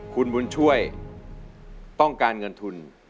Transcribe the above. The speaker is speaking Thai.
คุณบุญช่วยต้องการเงินทุน